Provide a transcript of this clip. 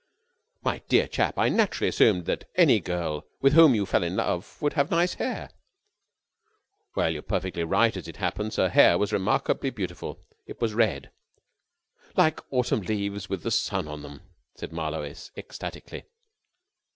"My dear chap, I naturally assumed that any girl with whom you fell in love would have nice hair." "Well, you are perfectly right, as it happens. Her hair was remarkably beautiful. It was red...." "Like autumn leaves with the sun on them!" said Marlowe ecstatically.